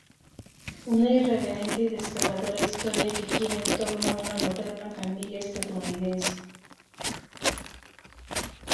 Una irreverente y desgarradora historia que gira en torno a una moderna familia estadounidense.